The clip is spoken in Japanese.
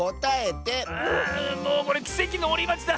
あもうこれきせきのおりまちだ。